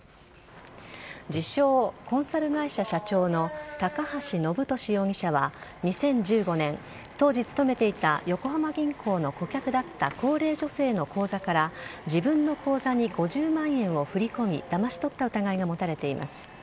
自称コンサル会社社長の高橋延年容疑者は２０１５年、当時勤めていた横浜銀行の顧客だった高齢女性の口座から自分の口座に５０万円を振り込みだまし取った疑いが持たれています。